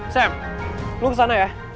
sam lo kesana ya